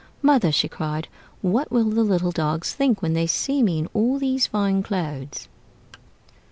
'Mother,' she cried, 'what will the little dogs think when they see me in all these fine clothes?'"